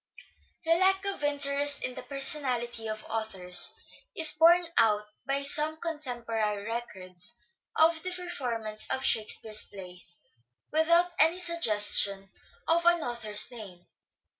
The lack of interest in the personality of authors is borne out by some contemporary records of the performance of " Shakespeare's " plays without any suggestion of an author's name.